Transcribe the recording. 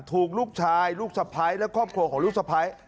ถูกลูกชายลูกสะพ้ายและครอบครัวของลูกสะพ้าย